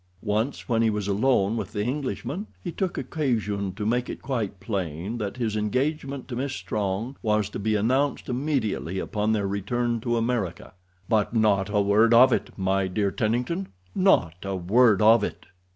Once when he was alone with the Englishman he took occasion to make it quite plain that his engagement to Miss Strong was to be announced immediately upon their return to America. "But not a word of it, my dear Tennington—not a word of it."